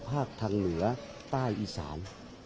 ภาคทางเหนือใต้อีสาน